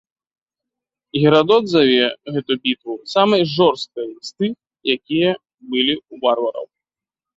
Герадот заве гэту бітву самай жорсткай з тых, якія былі ў варвараў.